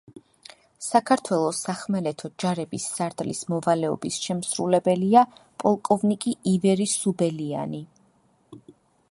საქართველოს სახმელეთო ჯარების სარდლის მოვალეობის შემსრულებელია პოლკოვნიკი ივერი სუბელიანი.